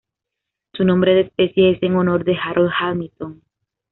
Su nombre de especie es en honor de Harold Hamilton.